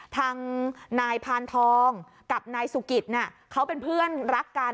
ทางนายพานทองกับนายสุกิตเขาเป็นเพื่อนรักกัน